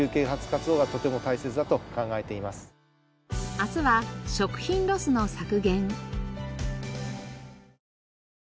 明日は食品ロスの削減。